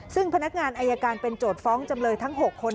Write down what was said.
ซึ่งพนักงานอายการเป็นโจทย์ฟ้องจำเลยทั้ง๖คน